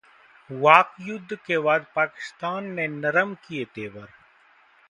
वाकयुद्ध के बाद पाकिस्तान ने नरम किये तेवर